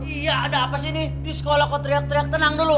iya ada apa sih ini di sekolah kok teriak teriak tenang dulu